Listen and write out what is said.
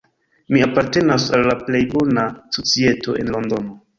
Mi apartenas al la plej bona societo en Londono.